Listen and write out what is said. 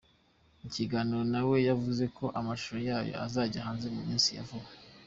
Mu kiganiro na we yavuze ko amashusho yayo azajya hanze mu minsi ya vuba.